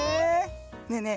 ねえねえ